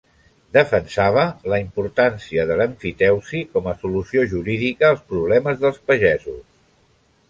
Defensava la importància de l'emfiteusi com a solució jurídica als problemes dels pagesos.